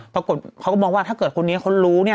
ปรากฏเขาก็มองว่าถ้าเกิดคนนี้คนรู้